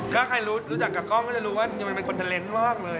ถ้าใครรู้จักกับกล้องก็จะรู้ว่ามันเป็นคนเทลนต์มากเลย